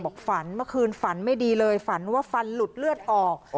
ฝันเมื่อคืนฝันไม่ดีเลยฝันว่าฟันหลุดเลือดออก